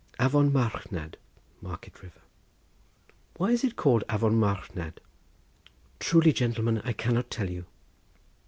"Avon Marchnad (Market River)." "Why is it called Avon Marchnad?" "Truly, gentleman, I cannot tell you."